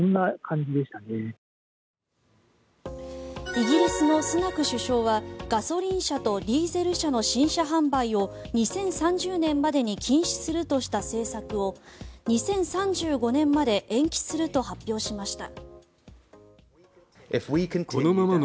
イギリスのスナク首相はガソリン車とディーゼル車の新車販売を２０３０年までに禁止するとした政策を２０３５年まで延期すると発表しました。